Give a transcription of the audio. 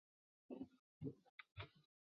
较著名的影片系列为都市传说系列。